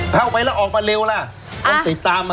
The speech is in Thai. เผ่าไปแล้วออกมาเร็วล่ะ